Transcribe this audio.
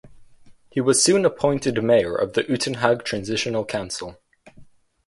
He was soon appointed mayor of the Uitenhage transitional council.